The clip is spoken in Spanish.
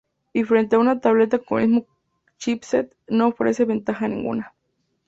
Y frente a una tableta con el mismo chipset no ofrece ventaja ninguna.